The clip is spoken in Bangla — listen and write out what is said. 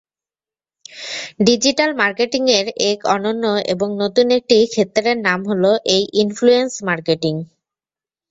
ডিজিটাল মার্কেটিংয়ের এক অনন্য এবং নতুন একটি ক্ষেত্রের নাম হল এই ইনফ্লুয়েন্স মার্কেটিং।